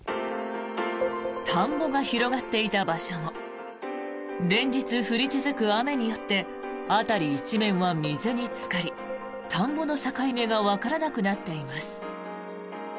田んぼが広がっていた場所も連日降り続く雨によって辺り一面は水につかり田んぼの境目がわからなくなっています。